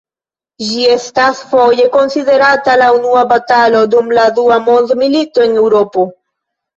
Ĝi estas foje konsiderata la unua batalo dum la dua mondmilito en Eŭropo.